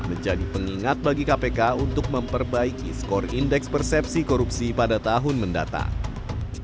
menjadi pengingat bagi kpk untuk memperbaiki skor indeks persepsi korupsi pada tahun mendatang